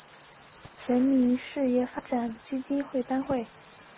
金马奖最佳造型设计每年由财团法人中华民国电影事业发展基金会颁发。